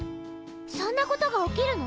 そんなことが起きるの？